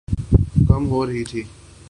کم ہو رہی تھِی